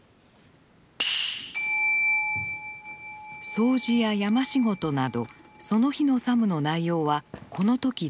掃除や山仕事などその日の作務の内容はこの時告げられます。